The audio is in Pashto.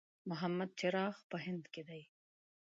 محمد چراغ په هند کې دی.